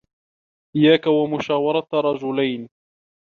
إيَّاكَ وَمُشَاوَرَةَ رَجُلَيْنِ